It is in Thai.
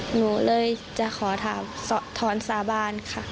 หนูเลยจะขอถามถอนสาบานค่ะ